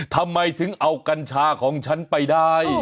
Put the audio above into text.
ทำไมถึงเอากัญชาของฉันไปได้